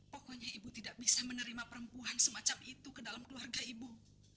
pokoknya ibu tidak bisa menerima perempuan semacam itu ke dalam keluarga ibu